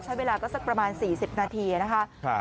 ใช้เวลาก็สักประมาณ๔๐นาทีนะคะ